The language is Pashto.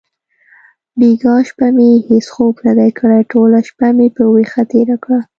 بیګا شپه مې هیڅ خوب ندی کړی. ټوله شپه مې په ویښه تېره کړه.